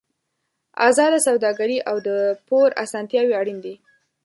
ازاده سوداګري او د پور اسانتیاوې اړین دي.